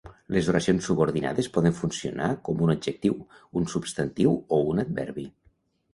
Les oracions subordinades poden funcionar com un adjectiu, un substantiu o un adverbi.